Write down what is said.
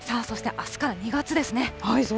そして、あすから２月ですね。